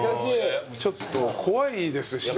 ちょっと怖いですしね